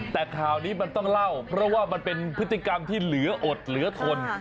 แต่ข่าวนี้มันต้องเล่าเพราะว่ามันเป็นพฤติกรรมที่เหลืออดเหลือทน